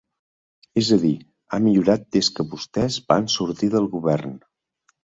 És a dir, ha millorat des que vostès van sortir del govern.